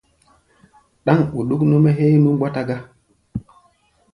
Ɗáŋ ɓuɗuk nú-mɛ́ héé nú mgbɔta gá.